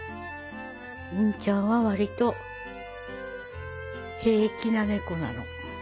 りんちゃんは割と平気な猫なの。